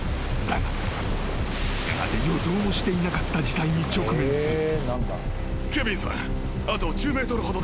［だがやがて予想もしていなかった事態に直面する］